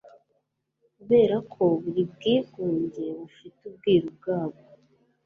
Kuberako buri bwigunge bufite ubwiru bwabwo